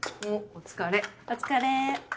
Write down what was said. お疲れ。